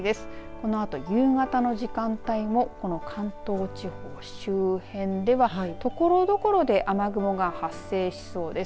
このあとの夕方の時間帯も関東地方周辺ではところどころで雨雲が発生しそうです。